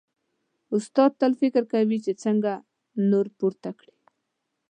استاد تل فکر کوي چې څنګه نور پورته کړي.